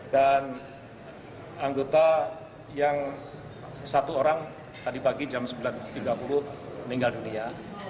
dan anggota yang satu orang tadi pagi jam sembilan tiga puluh meninggal dunia